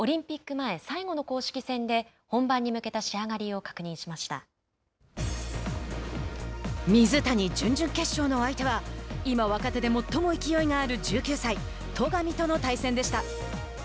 前最後の公式戦で本番に向けた仕上がりを水谷、準々決勝の相手は今、若手で最も勢いがある１９歳、戸上との対戦でした。